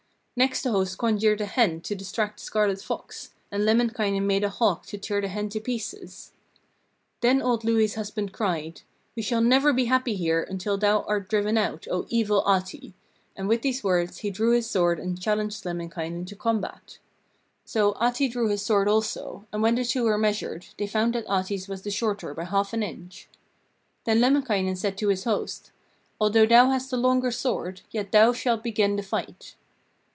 Next the host conjured a hen to distract the scarlet fox, and Lemminkainen made a hawk to tear the hen to pieces. Then old Louhi's husband cried: 'We shall never be happy here until thou art driven out, O evil Ahti,' and with these words he drew his sword and challenged Lemminkainen to combat. So Ahti drew his sword also, and when the two were measured, they found that Ahti's was the shorter by half an inch. Then Lemminkainen said to his host: 'Although thou hast the longer sword, yet thou shalt begin the fight.'